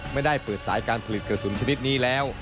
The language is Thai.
ไม่ได้เปิดสายการผลิตกระสุนชนิดนี้แล้ว